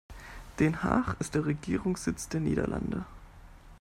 Den Haag ist der Regierungssitz der Niederlande.